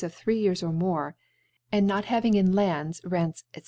of (77) of three Years or more ; and not having in Lands, Rents, ^c.